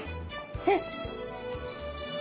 えっ！？